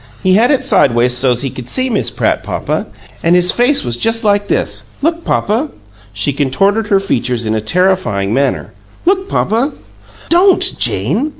He had it sideways so's he could see Miss. Pratt, papa. An' his face was just like this. Look, papa!" She contorted her features in a terrifying manner. "Look, papa!" "Don't, Jane!"